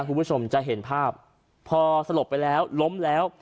คุณผู้ชมจะเห็นภาพพอสลบไปแล้วล้มแล้ว